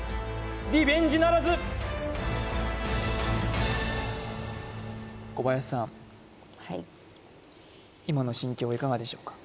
リベンジならず小林さんはい今の心境はいかがでしょうか？